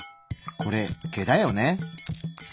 これ毛だよね？